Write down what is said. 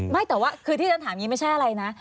ไม่แต่ว่าคือที่ฉันถามอย่างนี้ไม่ใช่อะไรนะ